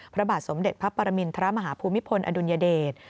พระบาทสมเด็จพระปรมินทรมาฮภูมิพลอดุลยเดช